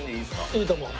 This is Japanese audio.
いいと思う。